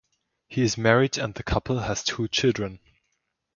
He is married and the couple has two children.